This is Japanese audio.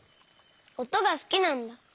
おとがすきなんだ。